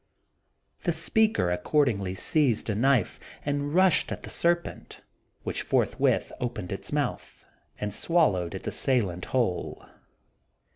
The speaker accordingly seized a knife and rushed at the serpent, which forthwith opened its mouth and swallowed its assailant whole.